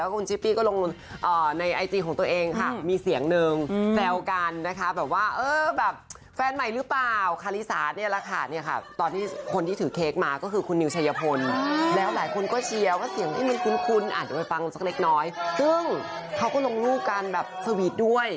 คุณอ่ะเดี๋ยวไปฟังสักเล็กซึ่งเขาก็ลงรูปกันแบบสวีทด้วย